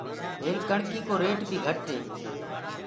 هيل ڪڻڪيِ ڪو ريٽ بيٚ گھٽ هي۔